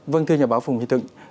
vâng thưa nhà báo phùng huy thịnh